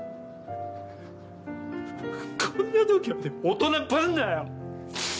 こんな時まで大人ぶんなよ！